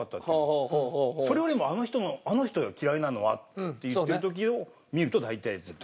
それよりもあの人よ嫌いなのはって言ってる時を見ると大体ずっと。